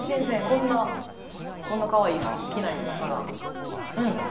こんなこんなかわいい服着ないですから。